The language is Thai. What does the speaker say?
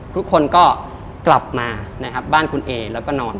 ทุกคนก็กลับมาบ้านคุณเอ็กซ์แล้วก็นอน